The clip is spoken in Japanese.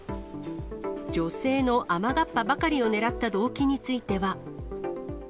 女性の雨がっぱばかりを狙った動機については。